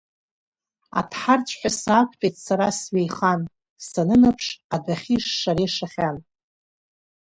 Аҭҳарцәҳәа саақәтәеит сара сҩеихан, санынаԥш адәахьы, ишшара ишахьан.